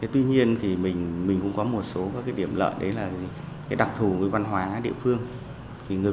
tuy nhiên mình cũng có một số điểm lợi đấy là đặc thù với văn hóa địa phương